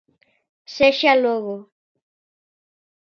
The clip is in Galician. Sexa logo.